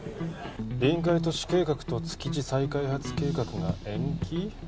臨海都市計画と築地再開発計画が延期？